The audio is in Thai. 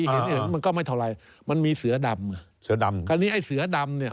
เห็นมันก็ไม่เท่าไรมันมีเสือดำอันนี้ไอ้เสือดำเนี่ย